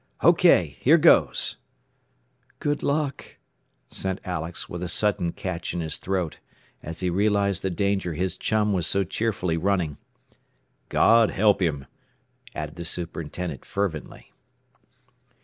"OK! Here goes!" "Good luck," sent Alex, with a sudden catch in his throat, as he realized the danger his chum was so cheerfully running. "God help him!" added the superintendent fervently.